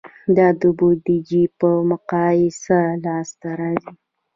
دا د بودیجې په مقایسه لاسته راځي.